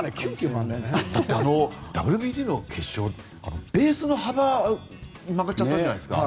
ＷＢＣの決勝ベースの幅ぐらい曲がっちゃったじゃないですか。